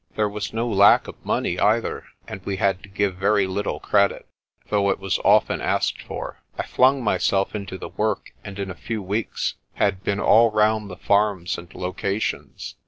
There was no lack of money either, and we had to give very little credit, though it was often asked for. I flung myself into the work, and in a few weeks had been all round the farms and locations.